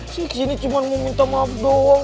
saya kesini cuma mau minta maaf doang